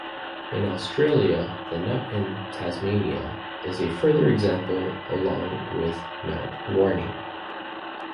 In Australia, the Nut in Tasmania is a further example, along with Mount Warning.